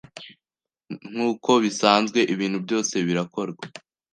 nk’uko bisanzwe ibintu byose birakorwa